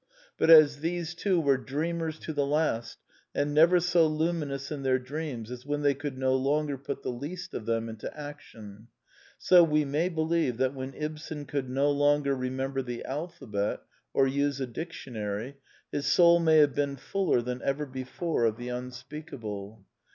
But as these two were dreamers to the last, and never so luminous in their dreams as when they could no longer put the least of them into action; so we may believe that when Ibsen could no longer remember the alphabet, or use a dictionary, his soul may have been fuller than ever before of the unspeakable.